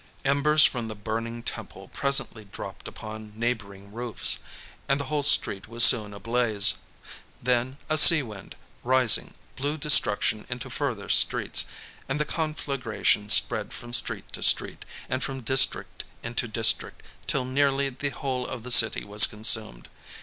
Embers from the burning temple presently dropped upon neighbouring roofs; and the whole street was soon ablaze. Then a sea wind, rising, blew destruction into further streets; and the conflagration spread from street to street, and from district into district, till nearly the whole of the city was consumed.